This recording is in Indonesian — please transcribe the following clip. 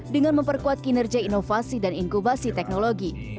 dengan memperkuat kinerja inovasi dan inkubasi teknologi